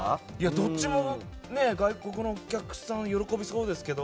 どっちも外国のお客さん喜びそうですけど。